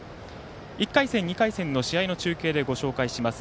１回戦、２回戦の試合の中継でご紹介します